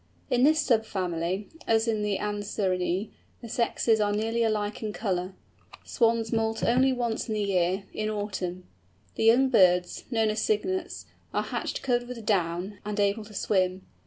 In this sub family, as in the Anserinæ, the sexes are nearly alike in colour. Swans moult only once in the year, in autumn. The young birds—known as Cygnets—are hatched covered with down, and able to swim.